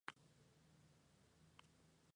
Su aparición ha atraído un gran número de visitantes.